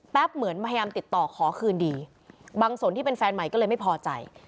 เหมือนพยายามติดต่อขอคืนดีบางส่วนที่เป็นแฟนใหม่ก็เลยไม่พอใจ